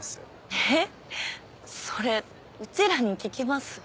えっそれうちらに聞きます？